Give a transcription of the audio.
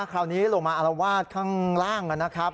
คราวนี้ลงมาอารวาสข้างล่างนะครับ